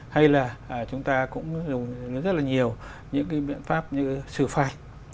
hay là chúng ta cũng dùng rất là nhiều những cái biện pháp như xử phạt